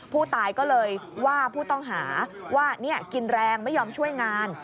ผู้ตายก็เลยว่าผู้ต้องหาว่ากินแรงไม่ยอมช่วยงาน